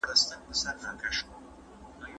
واکسن خلکو ته د ناروغۍ د مخنیوي ضمانت ورکوي.